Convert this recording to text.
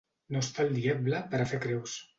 No estar el diable per a fer creus.